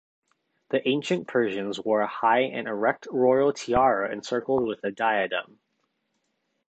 The ancient Persians wore a high and erect royal tiara encircled with a diadem.